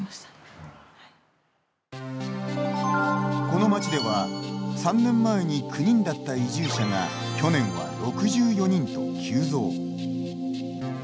この町では、３年前に９人だった移住者が去年は６４人と急増。